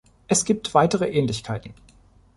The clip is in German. Es gibt weitere Ähnlichkeiten.